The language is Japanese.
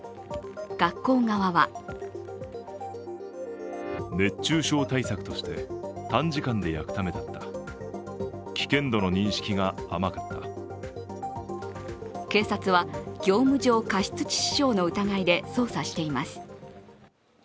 学校側は警察は、業務上過失致死傷の疑いで捜査しています。